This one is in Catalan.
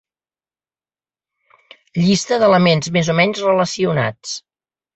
Llista d'elements més o menys relacionats.